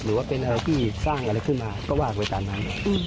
หรือว่าเป็นอะไรที่สร้างอะไรขึ้นมาก็ว่าไปตามนั้น